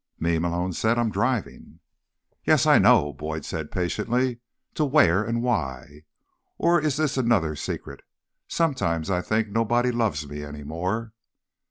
"Me?" Malone said. "I'm driving." "Yes, I know," Boyd said patiently. "To where, and why? Or is this another secret? Sometimes I think nobody loves me any more."